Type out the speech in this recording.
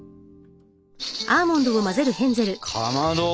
かまど！